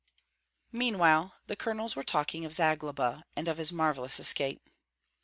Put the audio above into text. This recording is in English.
Meanwhile the colonels were talking of Zagloba, and of his marvellous escape.